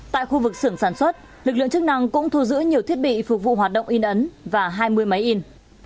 tại khu vực xưởng sản xuất lực lượng chức năng cũng thu giữ nhiều thiết bị phục vụ hoạt động in ấn và hai mươi máy in